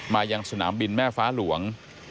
มายังสนามบินแม่ฟ้าหลวง